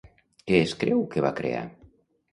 Què es creu que va crear?